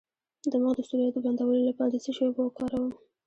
د مخ د سوریو د بندولو لپاره د څه شي اوبه وکاروم؟